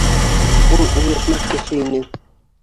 Ул өндәшмәҫ кеше ине.